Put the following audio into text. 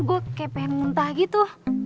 gue kepen muntah gitu